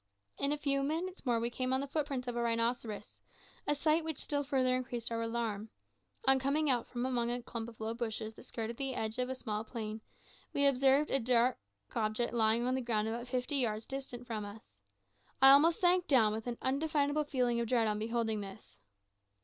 In a few minutes more we came on the footprints of a rhinoceros a sight which still further increased our alarm. On coming out from among a clump of low bushes that skirted the edge of a small plain, we observed a dark object lying on the ground about fifty yards distant from us. I almost sank down with an undefinable feeling of dread on beholding this.